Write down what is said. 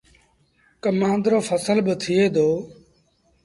ڪمآݩد رو ڦسل با ٿئي دو۔